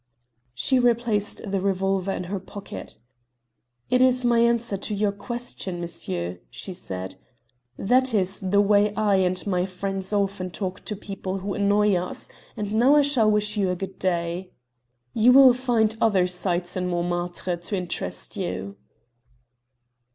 She replaced the revolver in her pocket. "It is my answer to your question, monsieur," she said. "That is the way I and my friends often talk to people who annoy us; and now I shall wish you good day. You will find other sights in Montmartre to interest you."